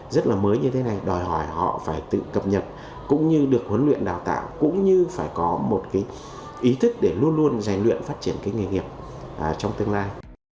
rất là mới như thế này đòi hỏi họ phải tự cập nhật cũng như được huấn luyện đào tạo cũng như phải có một cái ý thức để luôn luôn rèn luyện phát triển cái nghề nghiệp trong tương lai